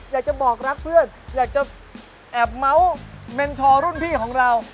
อยากจะบอกรักเพื่อนอยากจะแอบเม้าเมนทอรุ่นพี่ของเรา